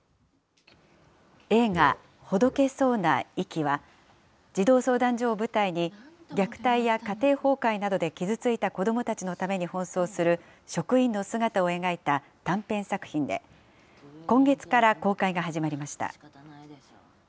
映画、ほどけそうな、息は、児童相談所を舞台に、虐待や家庭崩壊などで傷ついた子どもたちのために奔走する職員の姿を描いた短編作品で、今月から公開が始まりました。